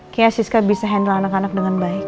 kayaknya siska bisa handle anak anak dengan baik